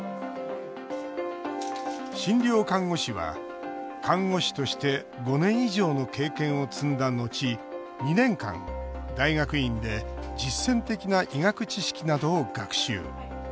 診療看護師は、看護師として５年以上の経験を積んだ後２年間、大学院で実践的な医学知識などを学習。